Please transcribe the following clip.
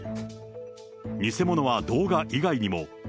偽物は動画以外にも。